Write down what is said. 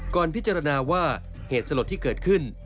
พิจารณาว่าเหตุสลดที่เกิดขึ้น